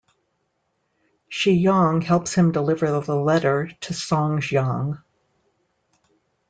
Shi Yong helps him deliver the letter to Song Jiang.